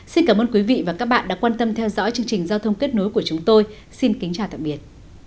xin cảm ơn quý vị và các bạn đã quan tâm theo dõi chương trình giao thông kết nối của chúng tôi xin kính chào tạm biệt